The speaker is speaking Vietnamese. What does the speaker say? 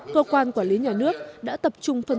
cơ quan quản lý nhà nước đã tập trung phân